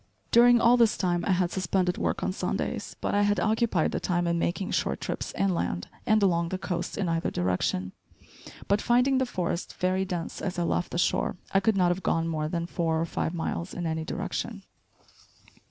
During all this time I had suspended work on Sundays, but I had occupied the time in making short trips inland, and along the coast in either direction; but finding the forest very dense as I left the shore, I could not have gone more than four or five miles in any direction.